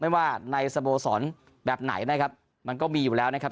ว่าในสโมสรแบบไหนนะครับมันก็มีอยู่แล้วนะครับ